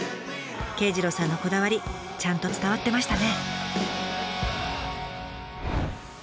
圭次郎さんのこだわりちゃんと伝わってましたね。